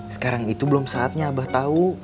sekarang itu belum saatnya abah tahu